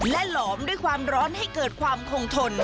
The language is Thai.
และหลอมด้วยความร้อนให้เกิดความคงทน